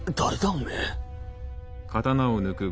おめえ。